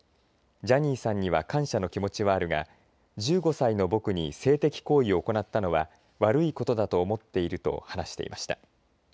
ジャニーさんには感謝の気持ちはあるが１５歳の僕に性的行為を行ったのは悪いことだと思っていると話していました。